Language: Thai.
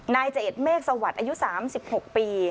นายเจเอ็ดเมฆสวัสดิ์อายุ๓๖ปี